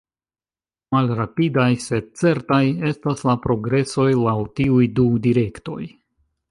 Malrapidaj, sed certaj, estas la progresoj, laŭ tiuj du direktoj.